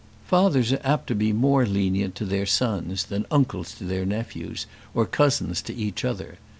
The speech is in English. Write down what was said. Fathers are apt to be more lenient to their sons than uncles to their nephews, or cousins to each other.